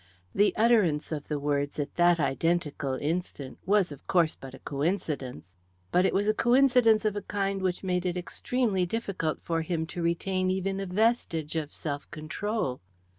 The utterance of the words at that identical instant was of course but a coincidence; but it was a coincidence of a kind which made it extremely difficult for him to retain even a vestige of self control.